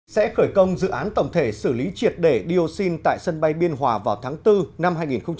sẽ khởi công dự án tổng thể xử lý triệt để dioxin tại sân bay biên hòa vào tháng bốn năm hai nghìn hai mươi